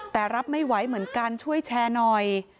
แต่รับไม่ไหวเหมือนกันช่วยแชร์หน่อย